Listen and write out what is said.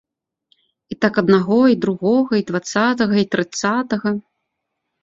І так аднаго, й другога, й дваццатага, й трыццатага.